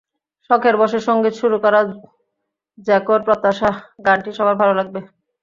শখের বশে সংগীত শুরু করা জ্যাকোর প্রত্যাশা, গানটি সবার ভালো লাগবে।